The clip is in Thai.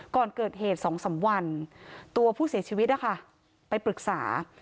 ก่อนเกิดเหตุ๒๓วันตัวผู้เสียชีวิตนะคะไปปรึกษา